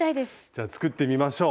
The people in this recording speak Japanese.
じゃあ作ってみましょう。